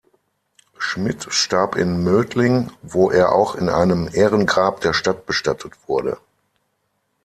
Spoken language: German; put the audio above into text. Schmid starb in Mödling, wo er auch in einem Ehrengrab der Stadt bestattet wurde.